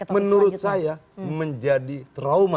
menurut saya menjadi trauma